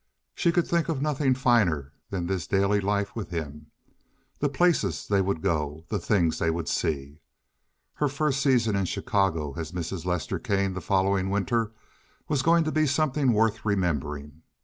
She could think of nothing finer than this daily life with him—the places they would go, the things they would see. Her first season in Chicago as Mrs. Lester Kane the following winter was going to be something worth remembering.